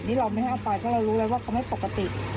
นี่เราไม่ให้เอาไปเพราะเรารู้เลยว่าเขาไม่ปกติ